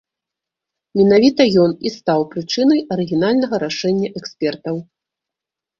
Менавіта ён і стаў прычынай арыгінальнага рашэння экспертаў.